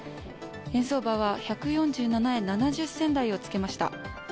円相場は１４７円７０銭台をつけました